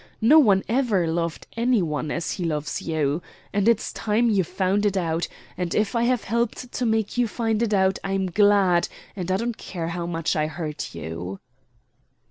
No one ever loved any one as he loves you. And it's time you found it out. And if I have helped to make you find it out I'm glad, and I don't care how much I hurt you."